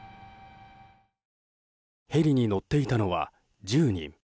ヘリに乗っていたのは１０人。